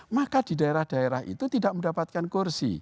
maka di daerah daerah itu tidak mendapatkan kursi